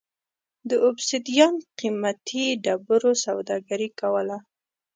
د اوبسیدیان قېمتي ډبرو سوداګري کوله.